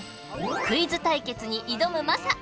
クイズ対決に挑むマサ